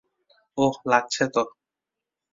ওহ, লাগছে তো।